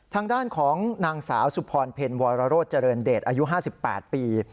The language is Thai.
ทางด้านของนางสาวสุภรเพลย์วอรโรดเจริญเดชอายุห้าสิบแปดปี